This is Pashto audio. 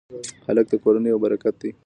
هلک د کورنۍ یو برکت دی.